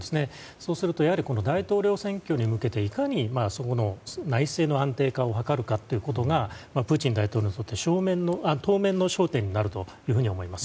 そうすると、大統領選挙に向けていかにそこの内政の安定化を図るかがプーチン大統領にとって当面の焦点になると思います。